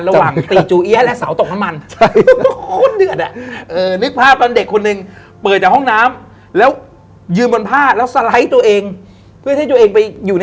ระหว่างตีจูเอี๊ยะและเสาตกน้ำมัน